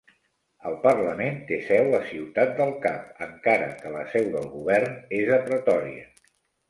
El parlament té seu a Ciutat del Cap, encara que la seu del govern és a Pretòria.